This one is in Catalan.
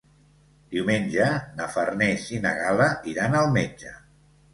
Diumenge na Farners i na Gal·la iran al metge.